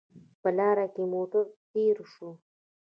په لاره کې موټر تېر شو